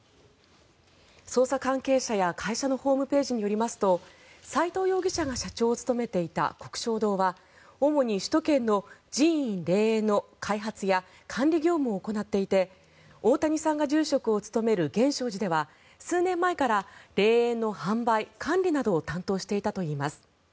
捜査関係者や会社のホームページによりますと齋藤容疑者が社長を務めていた鵠祥堂は主に首都圏の寺院・霊園の開発や管理業務を行っていて大谷さんが住職を務める源証寺では数年前から霊園の販売・管理などを担当していたといいます。